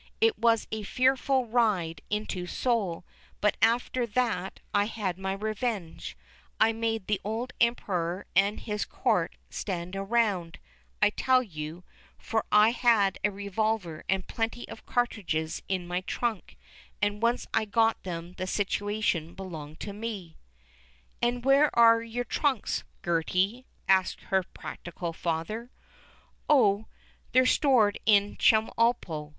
It was a fearful ride into Seoul, but after that I had my revenge; I made the old Emperor and his Court stand around, I tell you, for I had a revolver and plenty of cartridges in my trunk, and once I got them the situation belonged to me." "And where are your trunks, Gertie?" asked her practical father. "Oh, they're stored in Chemulpo.